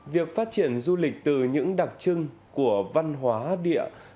việc phát triển du lịch từ những đặc trưng của văn hóa địa